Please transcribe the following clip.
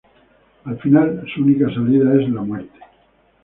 Al final, su única salida es la muerte.